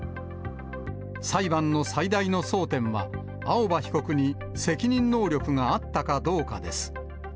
裁判の最大の争点は、青葉被告に責任能力があったかどうかです。